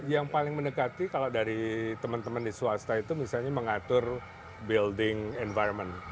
yang paling mendekati kalau dari teman teman di swasta itu misalnya mengatur building environment